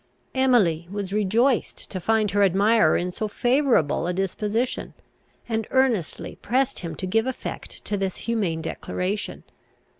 Emily was rejoiced to find her admirer in so favourable a disposition; and earnestly pressed him to give effect to this humane declaration.